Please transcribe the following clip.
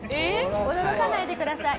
驚かないでください。